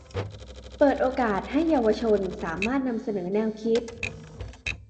เปิดโอกาสให้เยาวชนสามารถนำเสนอแนวคิด